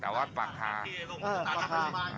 แต่ว่าปากคาเออปากคา